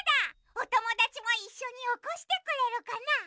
おともだちもいっしょにおこしてくれるかな？